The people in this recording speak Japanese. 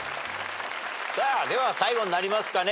さあでは最後になりますかね。